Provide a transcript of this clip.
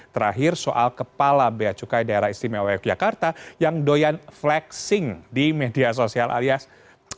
terakhir soal kepala beacukai daerah istimewa yogyakarta yang doyan flexing di media sosial alias